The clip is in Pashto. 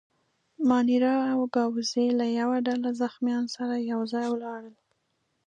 مانیرا او ګاووزي له یوه ډله زخیمانو سره یو ځای ولاړل.